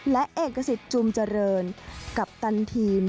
และเอกสิทธิ์จุมเจริญกัปตันทีม